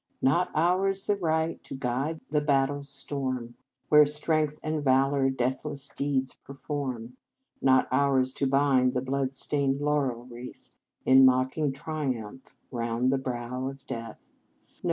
Not ours the right to guide the battle s storm, Where strength and valour deathless deeds perform. Not ours to bind the blood stained laurel wreath In mocking triumph round the brow of death. No